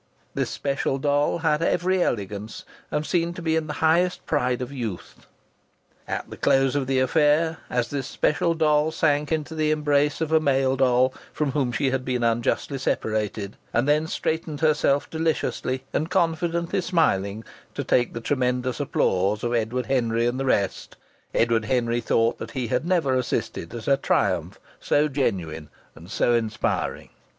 This special doll had every elegance and seemed to be in the highest pride of youth. At the close of the affair, as this special doll sank into the embrace of a male doll from whom she had been unjustly separated, and then straightened herself, deliciously and confidently smiling, to take the tremendous applause of Edward Henry and the rest, Edward Henry thought that he had never assisted at a triumph so genuine and so inspiring.